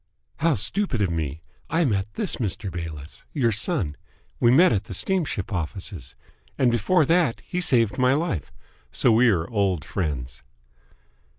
"How stupid of me! I meant this Mr. Bayliss. Your son! We met at the steamship offices. And before that he saved my life. So we are old friends."